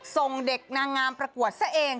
ส่งเด็กนางงามประกวดซะเอง